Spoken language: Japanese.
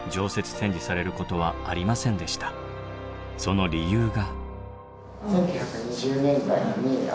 その理由が。